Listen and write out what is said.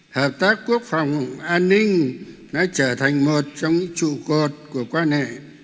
hợp tác quốc phòng an ninh đã trở thành một trong những trụ cột của quan hệ